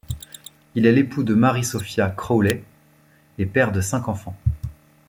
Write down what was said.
Il est l'époux de Mary Sophia Crawley et père de cinq enfants.